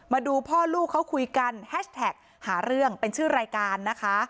มาดูพ่อลูกเขาคุยกันแฮชแท็กหาเรื่องเป็นชื่อรายการนะคะ